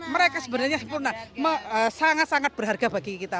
mereka sebenarnya sempurna sangat sangat berharga bagi kita